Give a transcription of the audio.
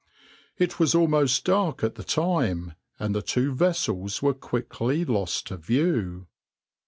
It was almost dark at the time, and the two vessels were quickly lost to view.